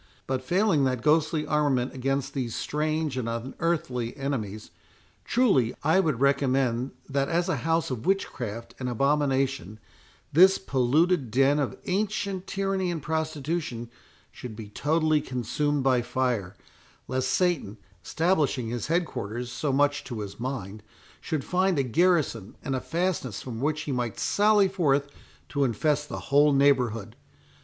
But failing that ghostly armament against these strange and unearthly enemies, truly I would recommend, that as a house of witchcraft and abomination, this polluted den of ancient tyranny and prostitution should be totally consumed by fire, lest Satan, establishing his head quarters so much to his mind, should find a garrison and a fastness from which he might sally forth to infest the whole neighbourhood.